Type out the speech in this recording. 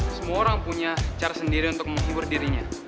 semua orang punya cara sendiri untuk menghibur dirinya